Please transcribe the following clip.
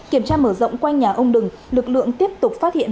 kiểm tra mở rộng quanh nhà ông đừng lực lượng tiếp tục phát hiện